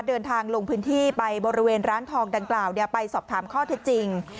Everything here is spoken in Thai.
เดินทางลงพื้นที่ไปบริเวณร้านทองดังกล่าวไปสอบถามข้อเท็จจริง